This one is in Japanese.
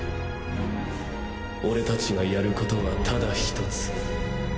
オレたちがやることはただ一つ。